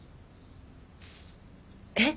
えっ！